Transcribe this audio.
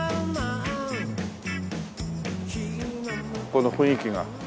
この雰囲気が。